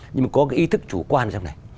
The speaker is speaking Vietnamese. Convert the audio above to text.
nhưng mà có cái ý thức chủ quan trong này